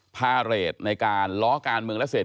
พาเรทในการล้อการเมืองและเศษ